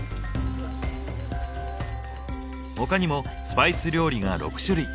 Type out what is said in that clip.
他にもスパイス料理が６種類。